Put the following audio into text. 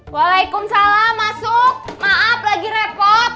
waalaikumsalam masuk maaf lagi repot